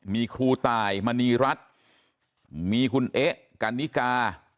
มีครูตายมณีรัฐมีคุณเอ๊ะกันนิกา